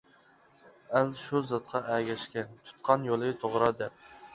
ئەل شۇ زاتقا ئەگەشكەن، تۇتقان يولى توغرا دەپ.